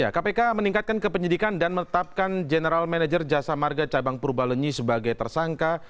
kpk meningkatkan kepenyidikan dan menetapkan general manager jasa marga cabang purbalenyi sebagai tersangka